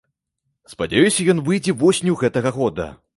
Спадзяюся, ён выйдзе восенню гэтага года.